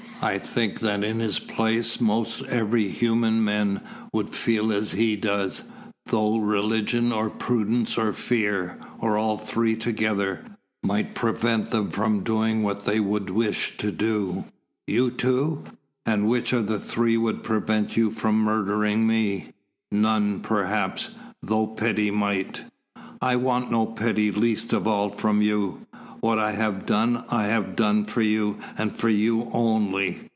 "I think that in his place most every human men would feel as he does, though religion, or prudence, or fear, or all three together, might prevent them from doing what they would wish to do." "You too? And which of the three would prevent you from murdering me?" "None, perhaps though pity might." "I want no pity, least of all from you. What I have done, I have done for you, and for you only."